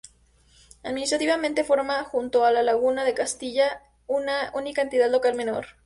Administrativamente forma, junto a La Laguna de Castilla una única Entidad Local Menor.